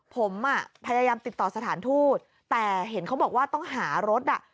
ผมอ่ะพยายามติดต่อสถานทูตแต่เห็นเขาบอกว่าต้องหารถอ่ะ